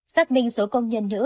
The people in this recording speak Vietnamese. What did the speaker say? xác minh số công nhân nữ